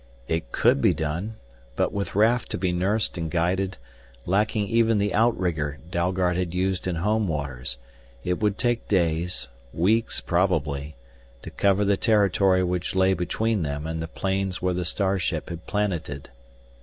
It could be done, but with Raf to be nursed and guided, lacking even the outrigger Dalgard had used in home waters, it would take days weeks, probably to cover the territory which lay between them and the plains where the star ship had planeted.